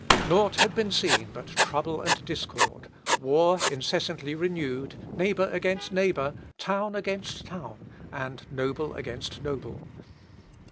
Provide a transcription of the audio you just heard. Nought had been seen but trouble and discord, war incessantly renewed, neighbour against neighbour, town against town, and noble against noble.